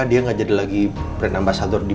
dia nggak jadi lagi pre nambasador di